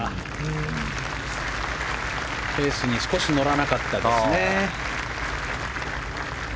フェースに少し乗らなかったですね。